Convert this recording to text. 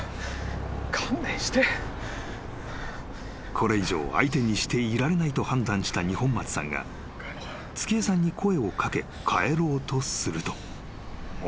［これ以上相手にしていられないと判断した二本松さんが月恵さんに声を掛け帰ろうとすると］